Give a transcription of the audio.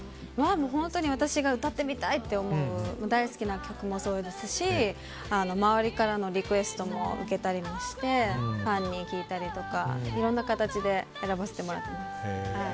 本当に私が歌ってみたい！と思う大好きな曲もそうですし周りからのリクエストも受けたりもしてファンに聞いたりとかいろんな形で選ばせてもらっています。